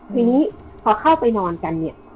ทีนี้พอเข้าไปนอนกันเนี่ย